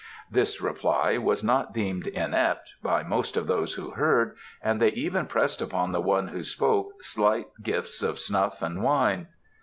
This reply was not deemed inept by most of those who heard, and they even pressed upon the one who spoke slight gifts of snuff and wine.